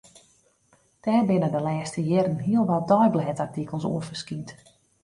Dêr binne de lêste jierren hiel wat deiblêdartikels oer ferskynd.